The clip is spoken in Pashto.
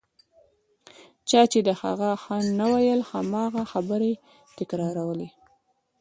چا چې د هغه ښه نه ویل هماغه خبرې تکرارولې.